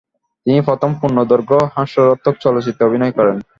তিনি প্রথম পূর্ণদৈর্ঘ্য হাস্যরসাত্মক চলচ্চিত্রে অভিনয় করেন।